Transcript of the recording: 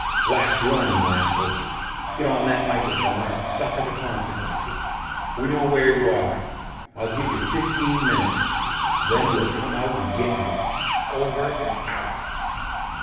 "Last warning, Laskell! Get on that microphone or suffer the consequences! We know where you are. I'll give you fifteen minutes, then we'll come get you. Over and out."